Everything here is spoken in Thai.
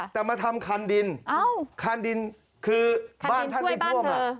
แต่มาทำคันดินคันดินคือบ้านท่านไม่ท่วม